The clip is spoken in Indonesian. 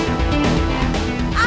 alhamdulillah udah enggak